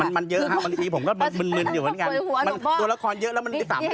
ตัวละครเยอะ๕วันธีผมก็บึนอยู่ทั้งกันตัวละครเยอะแล้วมันเป็น๓เดือน